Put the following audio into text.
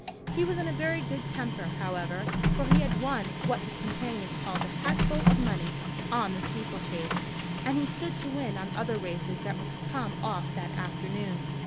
He was in a very good temper, however, for he had won what his companions called a hatful of money on the steeple chase, and he stood to win on other races that were to come off that afternoon.